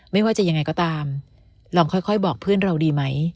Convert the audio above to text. ไม่ว่าจะยังไงก็ตามลองค่อยบอกเพื่อนเราดีไหม